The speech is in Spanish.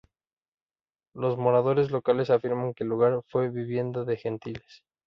Los moradores locales afirman que el lugar fue vivienda de gentiles.